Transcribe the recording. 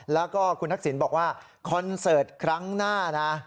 แล้วก็คุณทักษิณบอกว่าคอนเสิร์ตครั้งหน้านะ